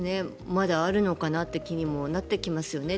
まだあるのかなって気にもなってきますよね。